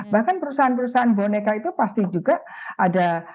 bahkan perusahaan perusahaan boneka itu pasti juga ada